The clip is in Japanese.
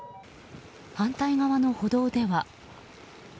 反対側の歩道では。